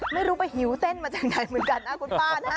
ไม่รู้ไปหิวเส้นมาจากไหนเหมือนกันนะคุณป้านะ